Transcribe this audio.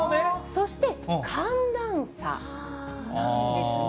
そして寒暖差なんですね。